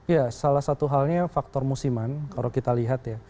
ya salah satu halnya faktor musiman kalau kita lihat ya